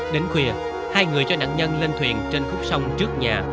đến khuya hai người cho nạn nhân lên thuyền trên khúc sông trước nhà